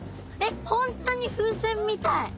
えっ本当に風船みたい。